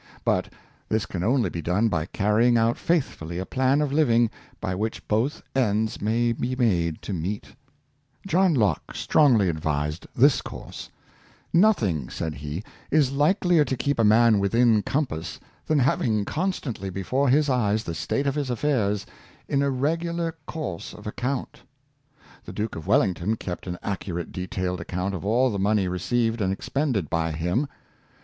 But this can only be done by carrying out faithfully a plan of living by which both ends may be made to meet, John Locke strongly advised this course: " Nothing," said he, " is likelier to keep a man within compass than having constantly before his eyes the state of his affairs in a regular course of account." The Duke of Well Early Struggles of yohn jfervis, 383 ington kept an accurate detailed account of all the money received and expended by him.